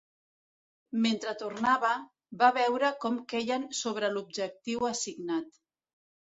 Mentre tornava, va veure com queien sobre l'objectiu assignat.